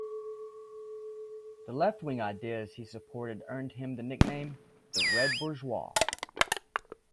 The left-wing ideas he supported earned him the nickname "The Red Bourgeois".